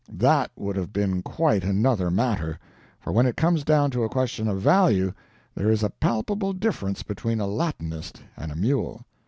That would have been quite another matter, for when it comes down to a question of value there is a palpable difference between a Latinist and a mule.